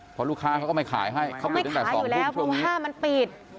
เพราะลูกค้าเขาก็ไม่ขายให้เขาปิดตั้งแต่๒แล้วเพราะว่ามันปิด